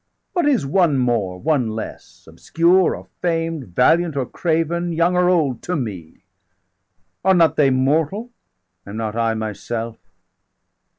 What is one more, one less, obscure or famed, Valiant or craven, young or old, to me? Are not they mortal, am not I myself?